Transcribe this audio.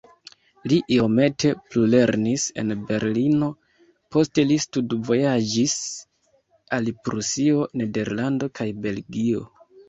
Li iomete plulernis en Berlino, poste li studvojaĝis al Prusio, Nederlando kaj Belgio.